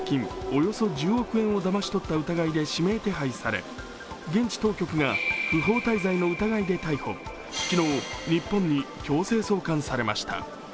およそ１０億円をだまし取った疑いで指名手配され、現地当局が不法滞在の疑いで逮捕昨日、日本に強制送還されました。